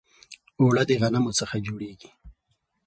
اوړه د غنمو څخه جوړیږي